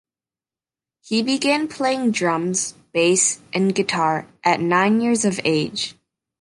He began playing drums, bass and guitar at nine years of age.